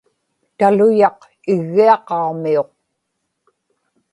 taluyaq iggiaqaġmiuq